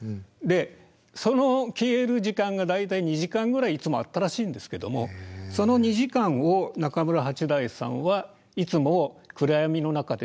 その消える時間が大体２時間ぐらいいつもあったらしいんですけどもその２時間を中村八大さんはいつも暗闇の中でピアノを弾いてたと。